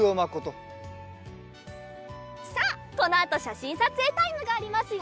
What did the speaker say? さあこのあとしゃしんさつえいタイムがありますよ！